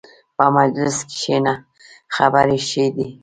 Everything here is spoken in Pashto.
په مجلس کښېنه، خبرې ښې دي.